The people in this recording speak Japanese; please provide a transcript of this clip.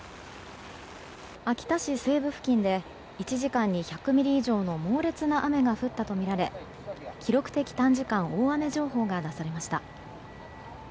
秋田市西部付近で１時間い１００ミリ以上の猛烈な雨が降ったとみられ記録的短時間大雨情報が出されました。